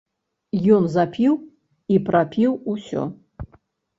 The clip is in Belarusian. Ён запіў і прапіў усё.